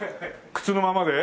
靴のままで？